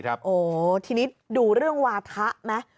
โหทีนี้ดูเรื่องวาฒะมา